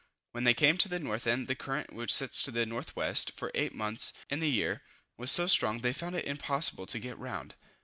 When they came to the north end, the current, which sets to the N.W. for eight months in the year, was so strong they found it impossible to get round.